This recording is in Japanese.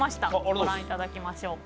ご覧いただきましょう。